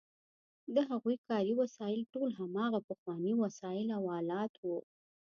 د هغوی کاري وسایل ټول هماغه پخواني وسایل او آلات وو.